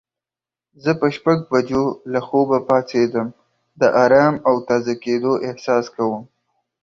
زه په شپږ بجو له خوبه پاڅیدم د آرام او تازه کیدو احساس کوم.